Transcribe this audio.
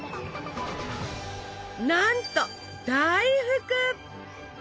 なんと大福！